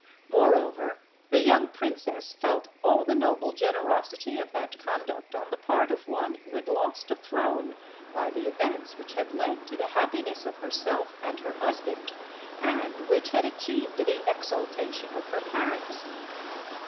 Moreover, the young Princess felt all the noble generosity of that conduct on the part of one who had lost a throne by the events which had led to the happiness of herself and her husband, and which had achieved the exaltation of her parents.